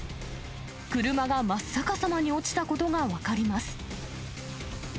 車が真っ逆さまに落ちたことが分かります。